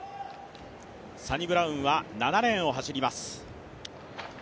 サニブラウンは７レーンを走ります